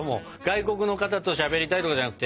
外国の方としゃべりたいとかじゃなくて。